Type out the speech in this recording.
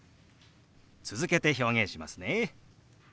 続けて表現しますね。